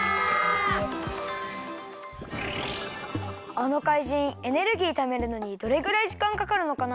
あの怪人エネルギーためるのにどれぐらいじかんかかるのかな？